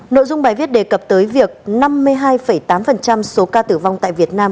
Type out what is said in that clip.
nội dung bài viết đề cập tới việc năm mươi hai tám số ca tử vong tại việt nam